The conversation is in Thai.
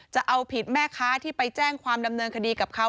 จะเอาผิดแม่ค้าที่ไปแจ้งความดำเนินคดีกับเขา